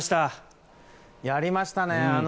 やりましたね。